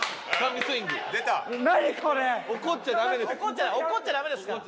怒っちゃダメですから。